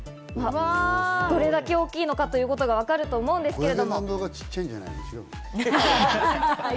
どれだけ大きいのかというのがわかると思うんですけど。